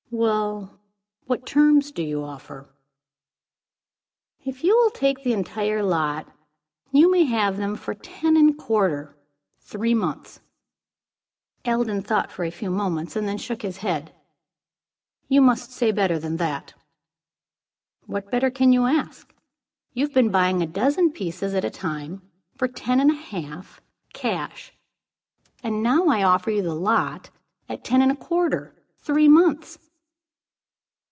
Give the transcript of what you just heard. "Well, what terms do you offer?" "If you will take the entire lot, you may have them for ten and a quarter, three months." Eldon thought for a few moments, and then shook his head. "You must say better than that." "What better can you ask? You have been buying a dozen pieces at a time, for ten and a half, cash, and now I offer you the lot at ten and a quarter, three months."